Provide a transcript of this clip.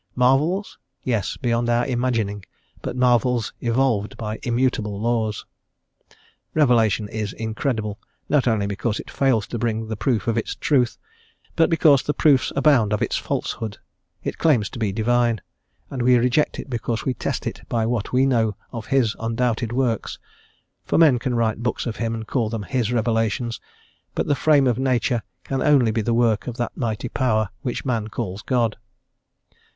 Marvels? Yes, beyond our imagining, but marvels evolved by immutable laws. Revelation is incredible, not only because it fails to bring proof of its truth, but because the proofs abound of its falsehood; it claims to be Divine, and we reject it because we test it by what we know of His undoubted works, for men can write books of Him and call them His revelations, but the frame of nature can only be the work of that mighty Power which man calls God.